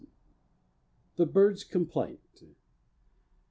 THE BIRD'S COMPLAINT.